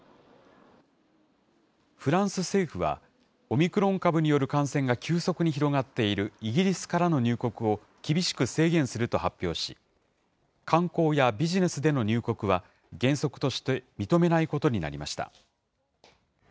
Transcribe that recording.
フランス政府は、オミクロン株による感染が急速に広がっているイギリスからの入国を、厳しく制限すると発表し、観光やビジネスでの入国は原則として認めないことになりました。